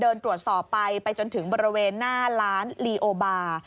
เดินตรวจสอบไปไปจนถึงบริเวณหน้าร้านลีโอบาร์